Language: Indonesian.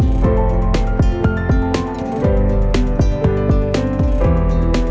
namanya yang terakhir